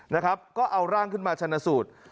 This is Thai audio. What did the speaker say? นะครับก็เอาร่างขึ้นมาชนะสูตร